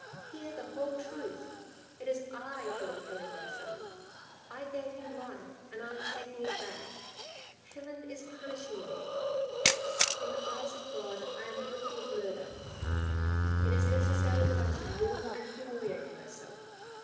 " Hear the whole truth. It is I who am killing my son. I gave him life, and I am taking it back. Heaven is punishing me. In the eyes of God I am guilty of murder. It is necessary that I should ruin and humiliate myself.